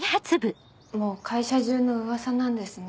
もう会社中の噂なんですね。